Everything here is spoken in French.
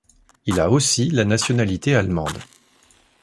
Il a aussi la nationalité allemande.